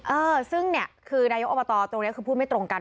เออซึ่งเนี่ยคือนายกอบตตรงนี้คือพูดไม่ตรงกัน